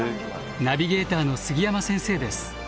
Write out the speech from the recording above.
ナビゲーターの杉山先生です。